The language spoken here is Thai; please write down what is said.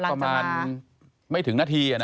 ก็สักประมาณไม่ถึงนาทีอ่ะนะ